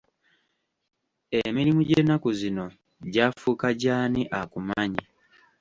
Emirimu gy’ennaku zino gyafuuka gy’ani akumanyi.